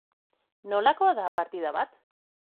Nolakoa da partida bat?